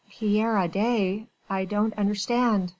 "Pierre Adet ... I don't understand."